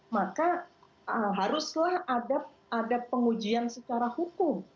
maka haruslah ada pengujian secara hukum